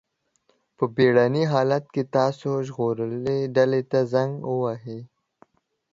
په بېړني حالت کې تاسو ژغورډلې ته زنګ ووهئ.